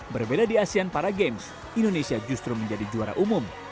berbeda di asean para games indonesia justru menjadi juara umum